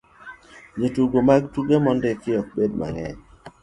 jotugo mag tuke mondiki ok bed mang'eny